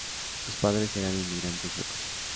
Sus padres eran inmigrantes suecos.